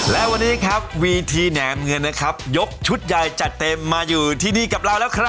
และวันนี้ครับวีทีแหนมเงินนะครับยกชุดใหญ่จัดเต็มมาอยู่ที่นี่กับเราแล้วครับ